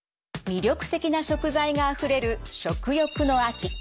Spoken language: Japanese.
魅力的な食材があふれる食欲の秋。